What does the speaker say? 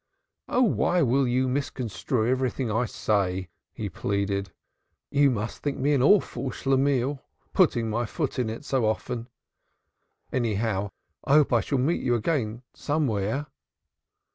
"Oh, why will you misconstrue everything I say?" he pleaded. "You must think me an awful Schlemihl, putting my foot into it so often. Anyhow I hope I shall meet you again somewhere."